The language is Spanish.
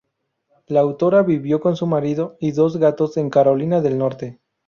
La autora vivió con su marido y sus dos gatos en Carolina del norte.